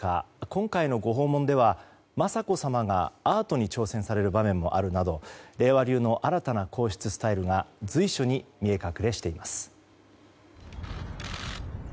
今回のご訪問では、雅子さまがアートに挑戦される場面もあるなど令和流の、新たな皇室スタイルが随所に見え隠れしています。